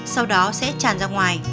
sau đó sẽ tràn ra ngoài